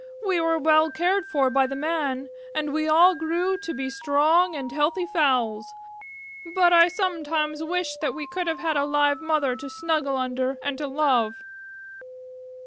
We were very well cared for by the Men, and we all grew to be strong and healthy fowls, but I sometimes wish that we could have had a live mother to snuggle under and to love."